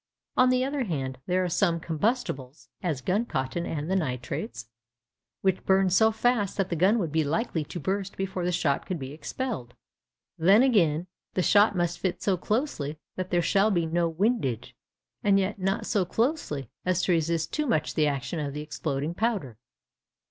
On the other hand, there are some combustibles (as gun cotton and the nitrates) which burn so fast that the gun would be likely to burst before the shot could be expelled. Then, again, the shot must fit so closely that there shall be no windage, and yet not so closely as to resist too much the action of the exploding powder.